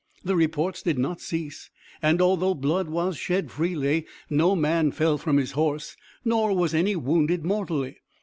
The reports did not cease, and, although blood was shed freely, no man fell from his horse, nor was any wounded mortally.